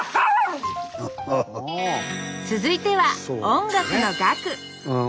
続いては音楽の「楽」！